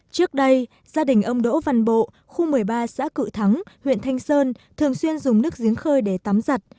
trước đây gia đình ông đỗ văn bộ khu một mươi ba xã cự thắng huyện thanh sơn thường xuyên dùng nước giếng khơi để tắm giặt